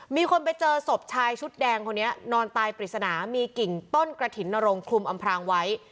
มีคนไปเจอศพชายชุดแดงคนนี้นอนตายปริศนามีกิ่งต้นกระถิ่นนรงคลุมอำพรางไว้